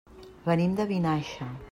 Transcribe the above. Venim de Vinaixa.